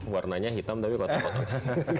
warnanya hitam tapi kotak kotak